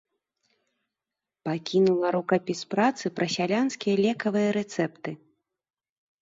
Пакінула рукапіс працы пра сялянскія лекавыя рэцэпты.